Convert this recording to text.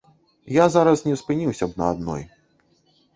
Я зараз не спыніўся б на адной.